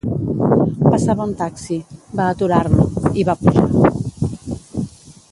Passava un taxi, va aturar-lo, hi va pujar.